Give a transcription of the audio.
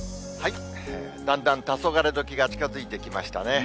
だんだんたそがれどきが近づいてきましたね。